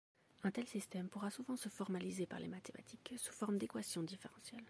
Un tel système pourra souvent se formaliser par les mathématiques, sous forme d’équations différentielles.